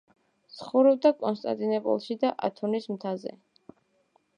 ცხოვრობდა კონსტანტინოპოლში და ათონის მთაზე.